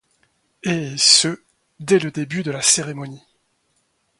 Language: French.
Et ce, dès le début de la cérémonie.